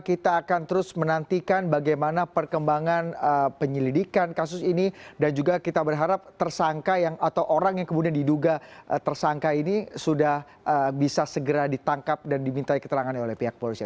kita akan terus menantikan bagaimana perkembangan penyelidikan kasus ini dan juga kita berharap tersangka atau orang yang kemudian diduga tersangka ini sudah bisa segera ditangkap dan diminta keterangan oleh pihak polisi